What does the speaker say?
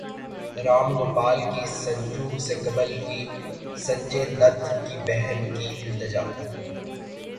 رام گوپال کی سنجو سے قبل ہی سنجے دت کی بہن کی التجا